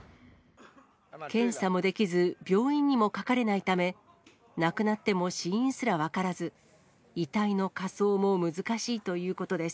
検査もできず、病院にもかかれないため、亡くなっても死因すら分からず、遺体の火葬も難しいということです。